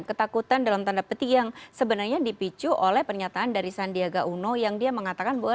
ketakutan dalam tanda peti yang sebenarnya dipicu oleh pernyataan dari sandiaga uno yang dia mengatakan bahwa